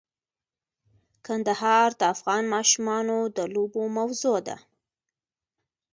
کندهار د افغان ماشومانو د لوبو موضوع ده.